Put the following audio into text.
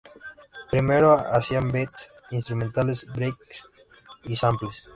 Primero, hacían beats instrumentales, breaks y samples.